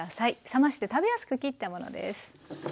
冷まして食べやすく切ったものです。